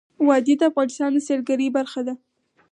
وادي د افغانستان د سیلګرۍ برخه ده.